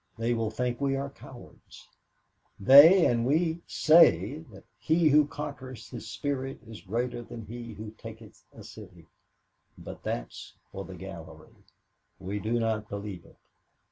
They will think we are cowards. They and we say that 'he who conquereth his spirit is greater than he who taketh a city,' but that's for the gallery. We do not believe it.